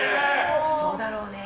そうだろうね。